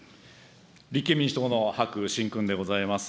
立憲民主党の白眞勲でございます。